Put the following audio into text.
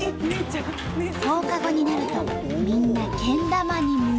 放課後になるとみんなけん玉に夢中。